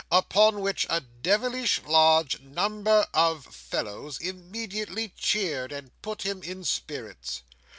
Upon which, a devilish large number of fellows immediately cheered, and put him in spirits.